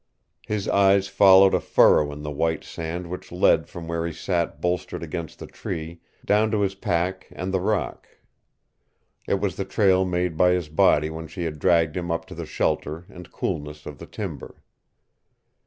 His eyes followed a furrow in the white sand which led from where he sat bolstered against the tree down to his pack and the rock. It was the trail made by his body when she had dragged him up to the shelter and coolness of the timber.